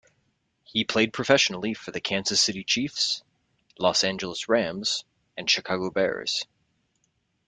He played professionally for the Kansas City Chiefs, Los Angeles Rams and Chicago Bears.